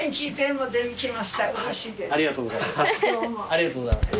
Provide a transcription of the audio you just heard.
ありがとうございます。